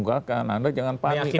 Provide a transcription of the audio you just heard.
anda jangan panik